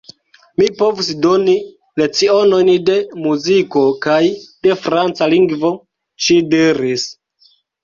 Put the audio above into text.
Mi povus doni lecionojn de muziko kaj de franca lingvo, ŝi diris.